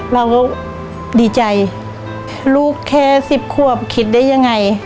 เราก็ดีใจลูกแค่๑๐ขวบคิดได้ยังไง